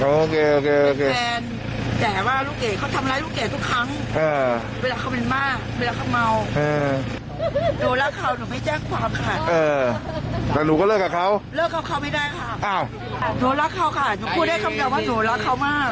หนูรักเขาค่ะหนูพูดได้คำเดียวว่าหนูรักเขามาก